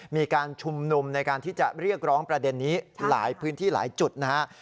มีการชุมนุมในการที่จะเรียกร้องประเด็นนี้หลายพื้นที่หลายจุดนะฮะ